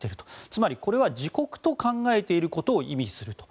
つまりこれは自国と考えていることを意味すると。